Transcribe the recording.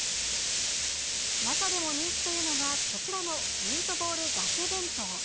中でも人気というのが、こちらのミートボールだけ弁当。